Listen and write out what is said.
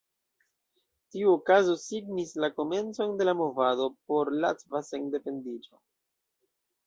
Tiu okazaĵo signis la komencon de la movado por latva sendependiĝo.